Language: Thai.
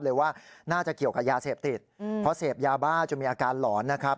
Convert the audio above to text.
ว่าน่าจะเกี่ยวกับยาเสพติดเพราะเสพยาบ้าจนมีอาการหลอนนะครับ